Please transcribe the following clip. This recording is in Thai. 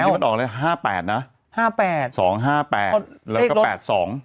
แต่วันนี้มันออกเลย๕๘นะ๒๕๘แล้วก็๘๒